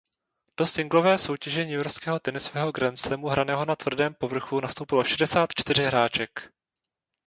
Do singlové soutěže newyorského tenisového grandslamu hraného na tvrdém povrchu nastoupilo šedesát čtyři hráček.